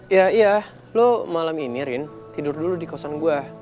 ya iya lo malam ini rin tidur dulu di kosan gue